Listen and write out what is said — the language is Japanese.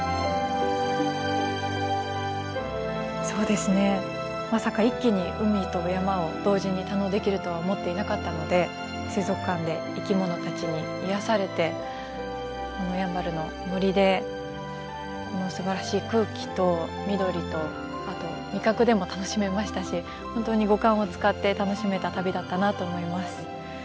そうですねまさか一気に海と山を同時に堪能できるとは思っていなかったので水族館で生き物たちに癒やされてこのやんばるの森でこのすばらしい空気と緑とあと味覚でも楽しめましたし本当に五感を使って楽しめた旅だったなと思います。